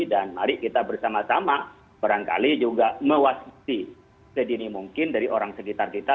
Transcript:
dan mari kita bersama sama berangkali juga mewasisi sedini mungkin dari orang sekitar kita